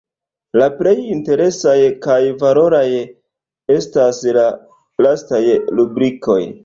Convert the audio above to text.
La plej interesaj kaj valoraj estas la lastaj rubrikoj.